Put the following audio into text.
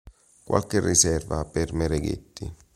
Qualche riserva per Mereghetti.